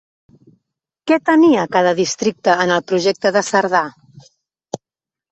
Què tenia cada districte en el projecte de Cerdà?